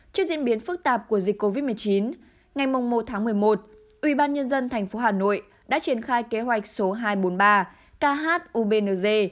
trước diễn biến phức tạp của dịch covid một mươi chín ngày một một mươi một ubnd tp hà nội đã triển khai kế hoạch số hai trăm bốn mươi ba khubnz